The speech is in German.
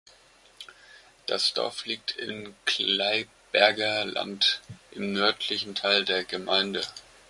Das Dorf liegt im Gleiberger Land im nördlichen Teil der Gemeinde.